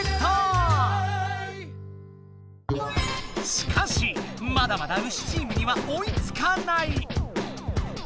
しかしまだまだウシチームにはおいつかない！